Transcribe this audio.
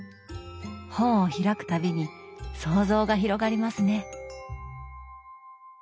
本を開くたびに想像が広がりますね。